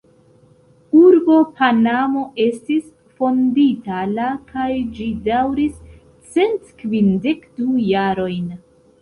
Urbo Panamo estis fondita la kaj ĝi daŭris cent kvindek du jarojn.